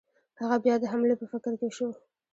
هغه بیا د حملې په فکر کې شو.